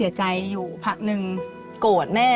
ลูกขาดแม่